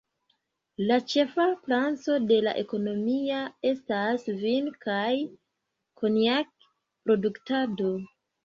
La ĉefa branĉo de la ekonomio estas vin- kaj konjak-produktado.